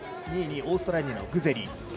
２位にオーストラリアのグゼリ。